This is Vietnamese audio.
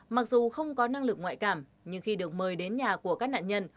mặc dù không có năng lực ngoại cảm nhưng khi được mời đến nhà của các nạn nhân